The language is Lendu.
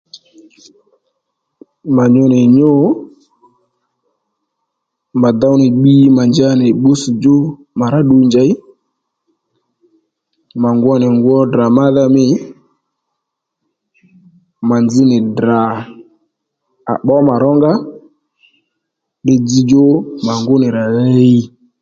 Mà nyu nì nyû mà dow nì bbi mà njanì pbússdjú mà rá ddu njèy mà ngwo nì ngwo Ddrà mádha mî ma nzz nì Ddrà à bbǒ mà ró nga ddiy dzzdjú mà ngú nì rà hiy